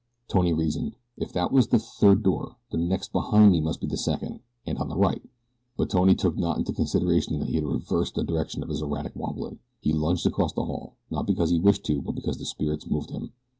Tony reasoned: "If that was the third door the next behind me must be the second, and on the right;" but Tony took not into consideration that he had reversed the direction of his erratic wobbling. He lunged across the hall not because he wished to but because the spirits moved him.